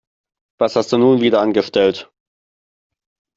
Was hast du nun wieder angestellt?